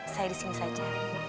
saya disini saja